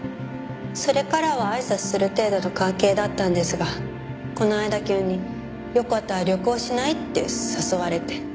それからはあいさつする程度の関係だったんですがこの間急に「よかったら旅行しない？」って誘われて。